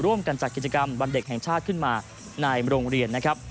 จัดกิจกรรมวันเด็กแห่งชาติขึ้นมาในโรงเรียนนะครับ